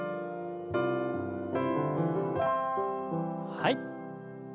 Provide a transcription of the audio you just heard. はい。